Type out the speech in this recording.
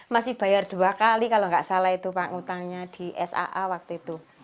masih bayar dua kali kalau nggak salah itu pak ngutangnya di saa waktu itu